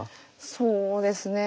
そうですね